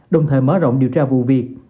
đồng thời mở rộng điều tra vụ việc